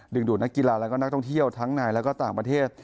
ดูดนักกีฬาและก็นักท่องเที่ยวทั้งในและก็ต่างประเทศ